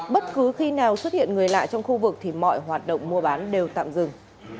bất cứ khi nào xuất hiện người lạ trong khu vực thì mọi hoạt động mua bán đều tạm dừng